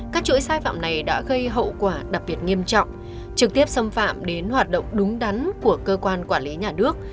các chuỗi sai phạm này đã gây hậu quả đặc biệt nghiêm trọng trực tiếp xâm phạm đến hoạt động đúng đắn của cơ quan quản lý nhà nước